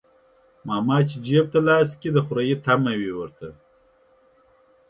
ماما چى جيب ته لاس کوى د خورى طعمه ورته وى.